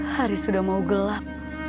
hari sudah mau gelap